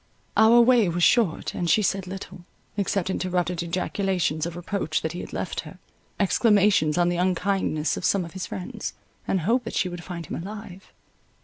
Our way was short, and she said little; except interrupted ejaculations of reproach that he had left her, exclamations on the unkindness of some of his friends, and hope that she would find him alive.